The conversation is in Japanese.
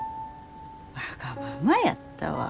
わがままやったわ。